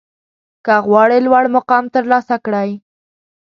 که غواړئ لوړ مقام ترلاسه کړئ